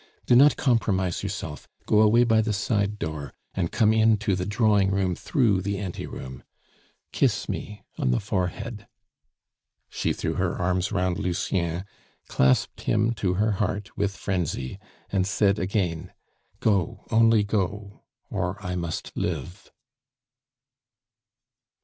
Do not compromise yourself. Go away by the side door, and come in to the drawing room through the ante room. Kiss me on the forehead." She threw her arms round Lucien, clasped him to her heart with frenzy, and said again: "Go, only go or I must live."